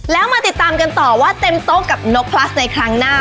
แล้วมาติดตามกันต่อว่าเต็มโต๊ะกับนกพลัสในครั้งหน้า